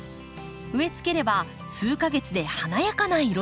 植えつければ数か月で華やかな彩りに。